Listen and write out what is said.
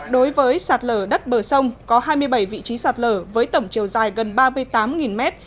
đối với sạt lở đất bờ sông có hai mươi bảy vị trí sạt lở với tổng chiều dài gần ba mươi tám mét